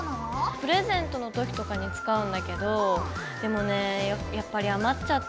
プレゼントの時とかに使うんだけどでもねやっぱり余っちゃったりするんだよね。